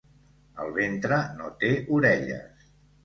El ventre no té orelles.